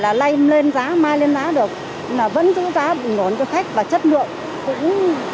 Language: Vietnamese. mai lên giá được mà vẫn giữ giá bình đoán cho khách và chất lượng